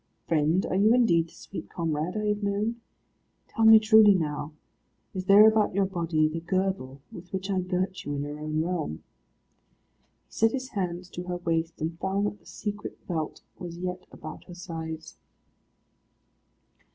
"Friend, are you indeed the sweet comrade I have known? Tell me truly now, is there about your body the girdle with which I girt you in your own realm?" He set his hands to her waist, and found that the secret belt was yet about her sides.